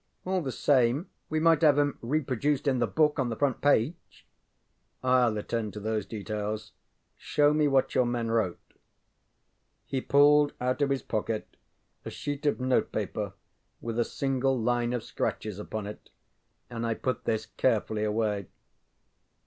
All the same, we might have ŌĆśem reproduced in the book on the front page. ŌĆØ ŌĆ£IŌĆÖll attend to those details. Show me what your men wrote. ŌĆØ He pulled out of his pocket a sheet of note paper, with a single line of scratches upon it, and I put this carefully away.